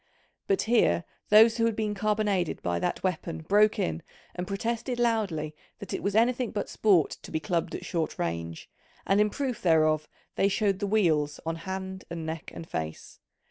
But here those who had been carbonaded by that weapon broke in and protested loudly that it was anything but sport to be clubbed at short range, and in proof thereof they showed the weals on hand and neck and face.